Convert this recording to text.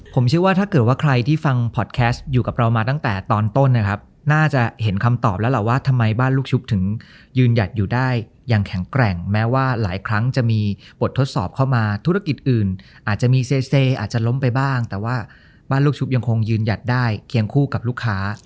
ผมเชื่อว่าถ้าเกิดว่าใครที่ฟังพอดแคสต์อยู่กับเรามาตั้งแต่ตอนต้นนะครับน่าจะเห็นคำตอบแล้วล่ะว่าทำไมบ้านลูกชุบถึงยืนหยัดอยู่ได้อย่างแข็งแกร่งแม้ว่าหลายครั้งจะมีบททดสอบเข้ามาธุรกิจอื่นอาจจะมีเซอาจจะล้มไปบ้างแต่ว่าบ้านลูกชุบยังคงยืนหยัดได้เคียงคู่กับลูกค้า